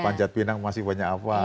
panjat binang masih banyak apal